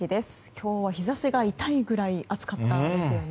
今日は日差しが痛いぐらい暑かったですね。